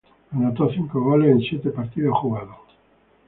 Anotó cinco goles en siete partidos jugados.